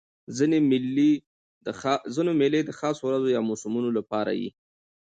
ځیني مېلې د خاصو ورځو یا موسمونو له پاره يي.